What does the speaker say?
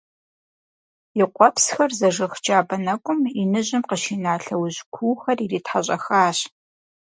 И къуэпсхэр зэжэх джабэ нэкӀум иныжьым къыщина лъэужь куухэр иритхьэщӀэхащ.